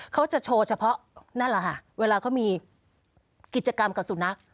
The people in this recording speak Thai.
เขาจะโชว์เฉพาะนั่นแหละค่ะเวลาเขามีกิจกรรมกับสุนัข